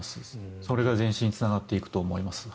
それが全身につながっていくと思います。